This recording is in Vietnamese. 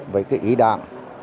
với ý đảng